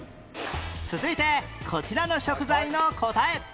続いてこちらの食材の答え